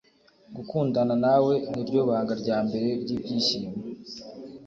gukundana nawe ni ryo banga rya mbere ry'ibyishimo